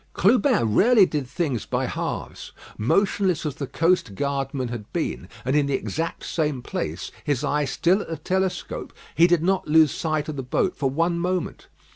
Clubin rarely did things by halves. Motionless as the coast guardman had been, and in the exact same place, his eye still at the telescope, he did not lose sight of the boat for one moment.